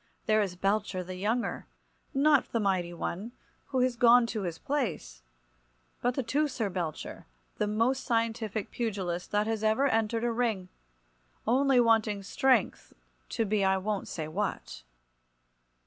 There is Belcher, the younger, not the mighty one, who is gone to his place, but the Teucer Belcher, the most scientific pugilist that ever entered a ring, only wanting strength to be I won't say what.